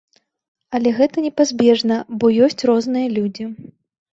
Але гэта непазбежна, бо ёсць розныя людзі.